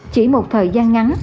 chỉ một thời gian ngắn